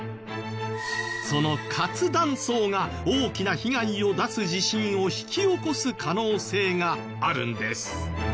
その活断層が大きな被害を出す地震を引き起こす可能性があるんです。